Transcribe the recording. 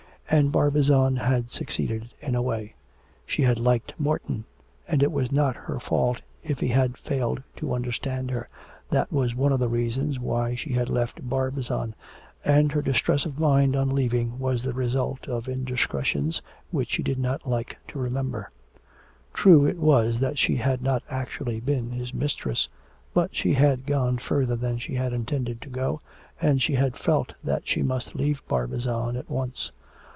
And Barbizon had succeeded in a way she had liked Morton, and it was not her fault if he had failed to understand her, that was one of the reasons why she had left Barbizon, and her distress of mind on leaving was the result of indiscretions which she did not like to remember. True it was that she had not actually been his mistress, but she had gone further than she had intended to go, and she had felt that she must leave Barbizon at once.